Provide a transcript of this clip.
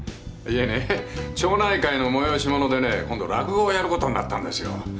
いえね町内会の催し物でね今度落語をやることになったんですよ。